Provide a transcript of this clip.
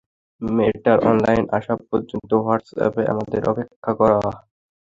মেয়েটার অনলাইনে আসা পর্যন্ত হোয়াটসএ্যাপে আমাদের অপেক্ষা করা।